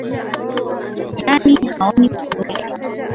Nyani haoni kundule